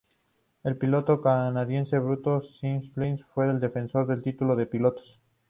El piloto canadiense Bruno Spengler es el defensor del título de pilotos.